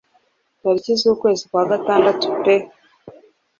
Tariki z'uku kwezi kwa gatandatu pe